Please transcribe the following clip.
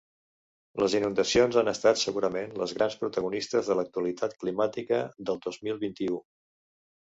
Les inundacions han estat segurament les grans protagonistes de l’actualitat climàtica del dos mil vint-i-u.